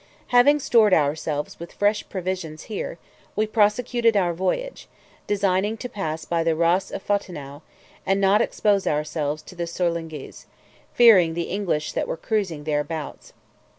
Having stored ourselves with fresh provisions here, we prosecuted our voyage, designing to pass by the Ras of Fontenau, and not expose ourselves to the Sorlingues, fearing the English that were cruising thereabouts.